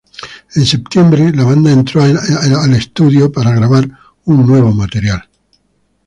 En septiembre, la banda entró a estudio para grabar un nuevo material.